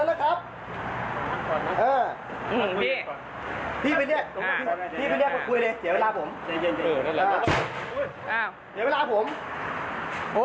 แล้วเดี๋ยวเล่าความคลิปกันก่อน